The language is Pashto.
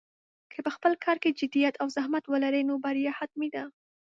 که په خپل کار کې جدیت او زحمت ولرې، نو بریا حتمي ده.